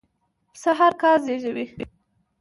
پسه هرکال زېږوي.